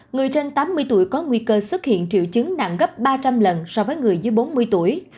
người trên tám mươi tuổi có nguy cơ xuất hiện triệu chứng nặng gấp ba trăm linh lần so với người dưới bốn mươi tuổi